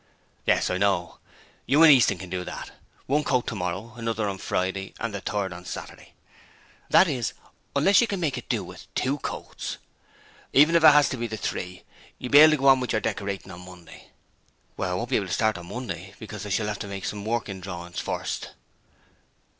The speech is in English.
'Yes: I know. You and Easton can do that. One coat tomorrow, another on Friday and the third on Saturday that is, unless you can make it do with two coats. Even if it has to be the three, you will be able to go on with your decoratin' on Monday.' 'I won't be able to start on Monday, because I shall have to make some working drawings first.'